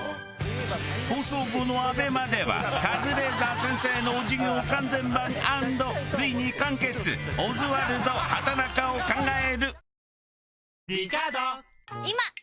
放送後のＡＢＥＭＡではカズレーザー先生の授業完全版＆ついに完結オズワルド畠中を考える。